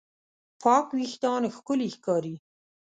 پاک وېښتيان ښکلي ښکاري.